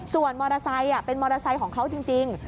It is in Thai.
ส่วนมอเตอร์ไซค์เป็นมอเตอร์ไซค์ของเขาจริง